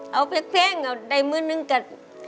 เอาแพงเอาได้หมื่นนึงกับ